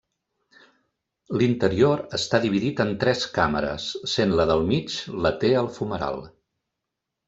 L'interior està dividit en tres càmeres, sent la del mig la té el fumeral.